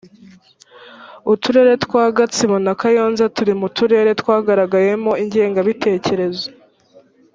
uturere twa gatsibo na kayonza turi mu turere twagaragayemo ingengabitekerezo